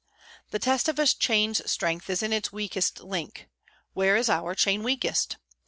The test of a chain's strength is in its weakest link. Where is our chain weakest